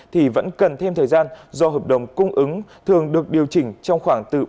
thì vẫn cần thêm thời gian do hợp đồng cung ứng thường được điều chỉnh trong khoảng từ ba mươi đến bốn mươi ngày